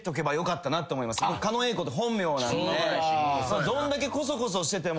僕狩野英孝って本名なんで。